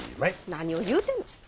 何を言うてんねん！